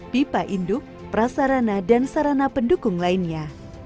pipa induk prasarana dan sarana pendukung lainnya